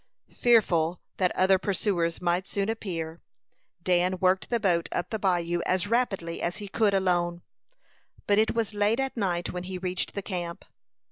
Fearful that other pursuers might soon appear, Dan worked the boat up the bayou as rapidly as he could alone; but it was late at night when he reached the camp.